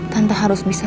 tante harus bisa